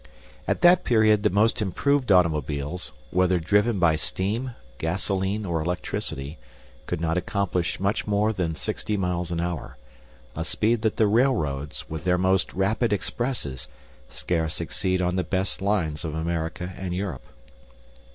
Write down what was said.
At that period the most improved automobiles, whether driven by steam, gasoline, or electricity, could not accomplish much more than sixty miles an hour, a speed that the railroads, with their most rapid expresses, scarce exceed on the best lines of America and Europe.